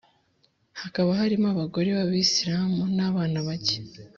hakaba harimo abagore b Abisilamu n abana bake